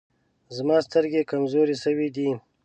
زما سترګي کمزوري سوي دی.